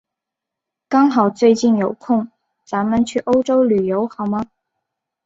刚好最近有空，咱们去欧洲旅游好吗？